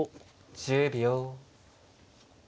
１０秒。